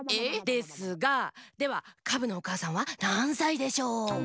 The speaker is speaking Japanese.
ですがではカブのおかあさんはなんさいでしょう？